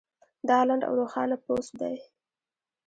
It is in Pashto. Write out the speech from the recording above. دا لنډ او روښانه پوسټ دی